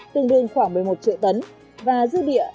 tương đương khoảng một mươi một triệu tấn và dư địa